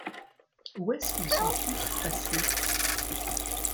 Où est-ce qu’ils sont tous passés ?